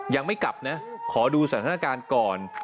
ยังไม่กลับนะขอดูสถานการณ์ก่อน